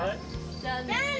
じゃあね。